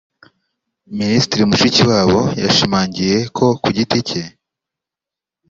Minisitiri Mushikiwabo yashimangiye ko ku giti cye